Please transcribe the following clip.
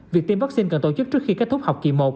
việc tiêm vaccine cần tổ chức trước khi kết thúc học kỳ một